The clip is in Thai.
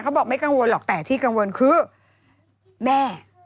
บอกไม่กังวลหรอกแต่ที่กังวลคือแม่